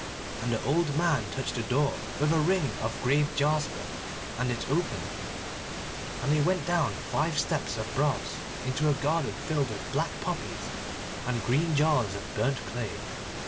And the old man touched the door with a ring of graved jasper and it opened, and they went down five steps of brass into a garden filled with black poppies and green jars of burnt clay.